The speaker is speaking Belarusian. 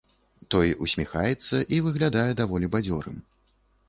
Той усміхаецца і выглядае даволі бадзёрым.